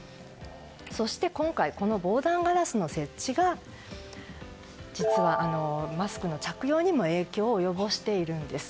そして、今回この防弾ガラスの設置が実は、マスクの着用にも影響を及ぼしているんです。